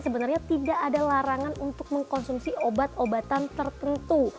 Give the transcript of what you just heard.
sebenarnya tidak ada larangan untuk mengkonsumsi obat obatan tertentu